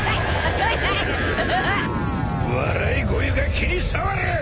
笑い声が気に障る！